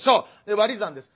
割り算です。